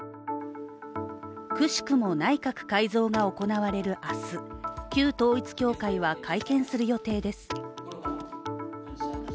奇しくも内閣改造が行われる明日旧統一教会は会見する予定です。